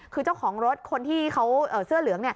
คือเจ้าของรถคนที่เขาเสื้อเหลือง